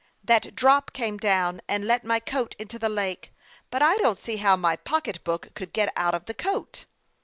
That drop came down and let my coat into the lake ; but I don't see how my pocketbook could get out of the coat."